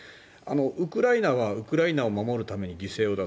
ウクライナはウクライナを守るために犠牲を出す。